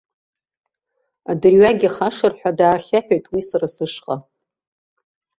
Адырҩегьых ашырҳәа даахьаҳәит уи сара сышҟа.